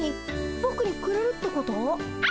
ぼくにくれるってこと？